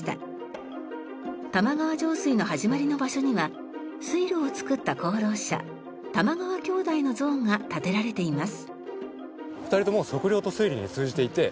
玉川上水の始まりの場所には水路を造った功労者玉川兄弟の像が建てられています。